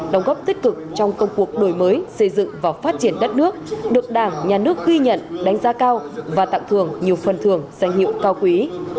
đồng góp tích cực trong công cuộc đổi mới xây dựng và phát triển đất nước được đảng nhà nước ghi nhận đánh giá cao và tặng thường nhiều phần thưởng danh hiệu cao quý